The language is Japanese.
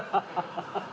ハハハハハ！